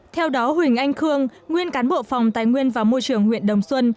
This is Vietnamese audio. theo đó huỳnh anh khương nguyên cán bộ phòng tài nguyên và môi trường huyện đồng xuân